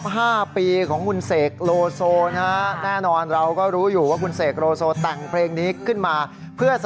ถ้าจะเจ็บจิ้นตายจะอยากเข้าไป